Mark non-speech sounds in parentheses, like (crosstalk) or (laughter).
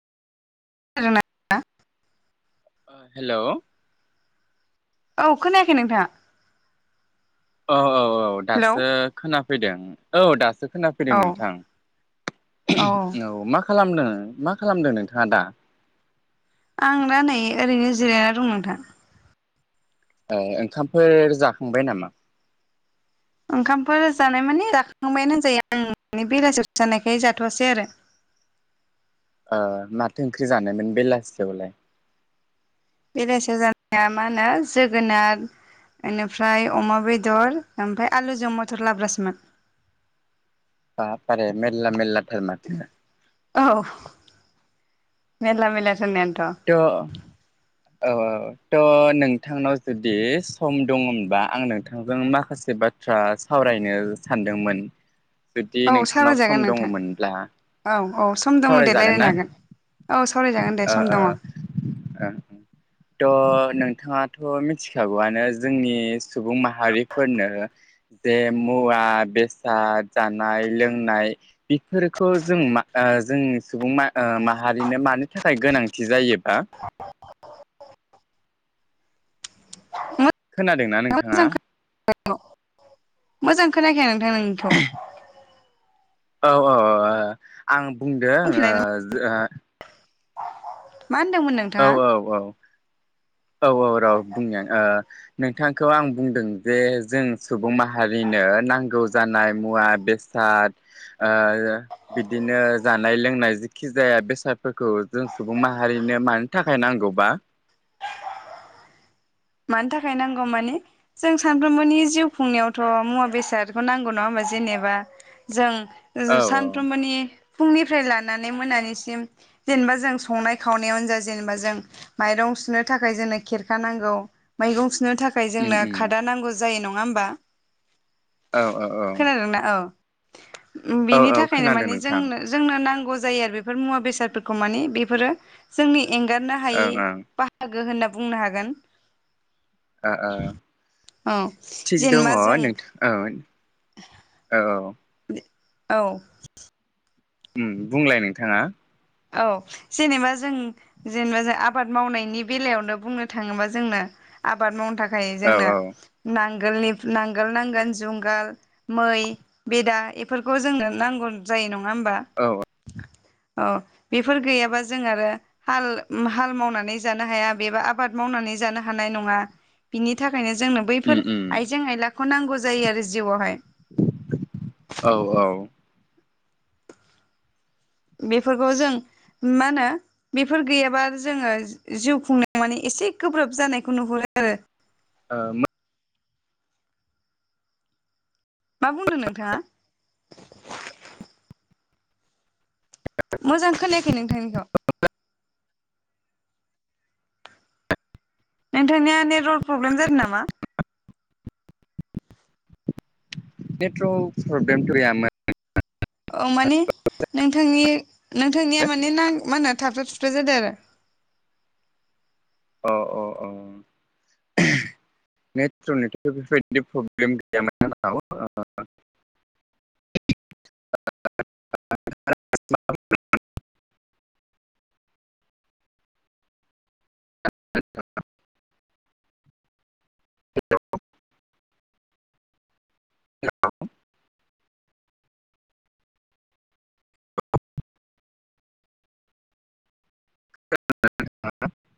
(unintelligible) ओ हेलौ औ खोनायाखै नोंथाङा? औ औ औ औ हेलौ दासो खोना फैदों औ दासो खोनाफैदों औ नोंथां औ मा खालामदों? मा खालामदों नोंथाङा दा? आं दा नै ओरैनो जिरायना दं नोंथां ओंखामफोर जाखांबाय नामा? ओंखामफोर जानाय माने जाखांबायानो होनजायो आं बेलासियाव जानायखाय जाथ'वासै आरो माथो ओंख्रि जानायमोन बेलासियावलाय? बेलासियाव जानाया मा होनो जोगोनार बेनिफ्राय अमा बेदर ओमफ्राय आलुजों मथर लाब्रासोमोन। बाब बारे मेरला मेलला औ मेरला मेरला थार होननायानोथ' औ औ थ' नोंथांनाव जुदि सम दङमोनबा आं नोंथांजों माखासे बाथ्रा सावरायनो सानदोंमोन। जुदि औ नोंथांनाव सावरायजागोन सम नोंथां दङमोनब्ला औ औ सम दङ दे सावरायजागोन ना रायलायनो हागोन औ सावरायजागोन दे ओ सम दङ ओ ओ थ' नोंथाङाथ' मिथिखागौआनो जोंनि सुबुं माहारिफोरनो जे मुवा बेसाद जानाय लोंनाय बेफोरखौ जों मा जों सुबुं मा ओ माहारिनो मानि थाखाय गोनांथि जायोबा (inaudible) खोनादोंना मोजां नोंथाङा? मोजां खोनायाखै मोजां खोनायाखै नों थां नोंनिखौ औ औ औ ओ आं बुंदों ओ बुंफिनलाय जो ओ मा होनदोंमोन नोंथाङा? औ औ औ र' बुंनों नोंथांखौ आं बुंदों जे जों स सुबुं माहारिनो नांगौ जानाय मुवा बेसाद बिब्दिनो जानाय लोंनाय जिखि जाया बेसादफोरखौ जों सुबुं माहारिनो मानो थाखाय नांगौबा मानि थाखाय नांगौ मानि जों सानफ्रोमबोनि जिउ खुंनायावथ' मुवा बेसादखौ नांगौ नङा होमबा जेनेबा जों औ जों औ सानफ्रोमबोनि फुंनिफ्राय लानानै मोनानिसिम जेनेबा जों संनाय खावनायावनो जा जेनेबा जों माइरं सुनो थाखाय जोंनो खेरखा नांगौ मैगं सु सुनो थाखाय उम जोंनो उम खादा नांगौ जायो नं नङा होमबा औ औ औ खोनादोंना औ औ बिनि औ थाखायनो खोनादों माने नोंथां जोंनो जोंनो नांगौ जायो आरो बेफोर मुवा बेसादफोरखौ माने बेफोरो जोंनि एंगारनो ओं हायि ओं बाहागो होनना बुंनो हागोन । ओ ओ औ थिग दङ जेनेबा जों नोंथां औ । औ । औ । औ । उम बुंलाय नोंथाङा? औ जेनेबा जों जेनेबा जों आबाद मावनायनि बेलायावनो बुंनो थाङोबा जोंनो आबाद मावनो था खाय औ जोंनो औ नां गोलनिब नांगोल नांगोल जुंगाल मै बेदा एफोरखौ जोंनो नांगौ जायो न ङा होमबा? अ । बेफोर गैयाबा जों आरो हाल हाल मावनानै जानो हाया बेबा आबाद मावनानै जानो हानाय नङा बिनि थाखायनो जोंनो उम बैफोर उम आइजें आइला खौ नांगौ जायो आरो जिउआवहाय । औ औ । बेफोरखौ जों मा होनो बेफोर गैयाबा जोङो जिउ खुंनायाव माने एसे गोब्राब जानायखौ नुहुरो आरो । ओ मो मा बुंदों नोंथाङा? मोजां खोनाया खौ नोंथांनिखौ? नोंथांनिया नेटवारक प्रब्लेम जादों नामा? नेटवर्क प्रब्लेमथ' गैयामोन । औ माने नोंथांनि नोंथांनिया माने ना मा होनो थाबथा थुब था जादों आरो । अ अ अ नेट्रनिथ' बेफोरबायदि प्रब्लेम गैयामोन आंनाव ओ (unintelligible) (unintelligible) (unintelligible) हेलौ